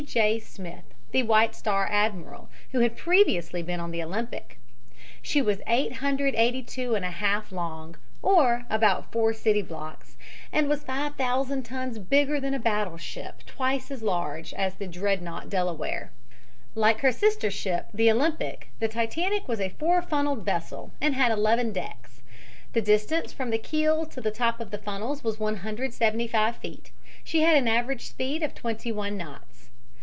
J. Smith, the White Star admiral, who had previously been on the Olympic. She was 882 1/2 long, or about four city blocks, and was 5000 tons bigger than a battleship twice as large as the dreadnought Delaware. Like her sister ship, the Olympic, the Titanic was a four funneled vessel, and had eleven decks. The distance from the keel to the top of the funnels was 175 feet. She had an average speed of twenty one knots.